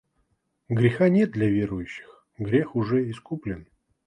Греха нет для верующих, грех уже искуплен.